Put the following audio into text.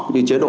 như chế độ